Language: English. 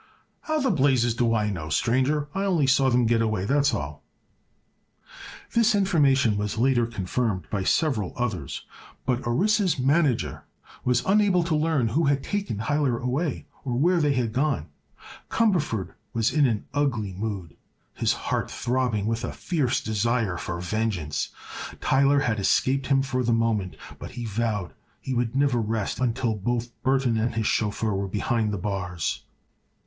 "How the blazes do I know, stranger? I only saw them get away, that's all." This information was later confirmed by several others, but Orissa's manager was unable to learn who had taken Tyler away or where they had gone. Cumberford was in an ugly mood, his heart throbbing with a fierce desire for vengeance. Tyler had escaped him for the moment but he vowed he would never rest until both Burthon and his chauffeur were behind the bars.